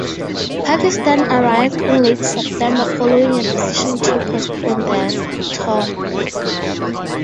Pakistan arrived in late September following a decision to postpone their tour.